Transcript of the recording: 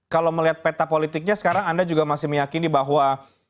kalau melihat peta politiknya sekarang anda juga masih meyakini bahwa